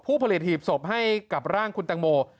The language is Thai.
ผลิตหีบศพให้กับร่างคุณตังโม